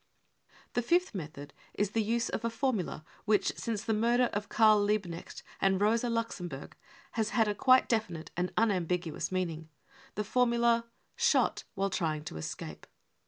The fifth method is the use of a formula which, since the murder of Karl Liebknecht and Rosa Luxemburg, has had a quite definite and unambiguous meaning — the MURDER 317 formula :" Shot while trying to escape.